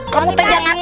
kamu jangan naik gas